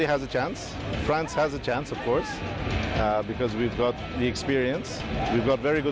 อีกจากกี่ท่านคนนะคุ้มคูร์เมนิอร์